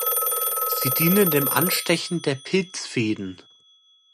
Sie dienen dem Anstechen der Pilzfäden.